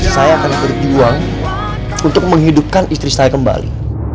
saya akan berjuang untuk menghidupkan istri saya kembali